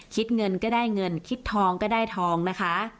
คิดเงินก็ได้เงินคิดทองก็ได้ทองนะคะ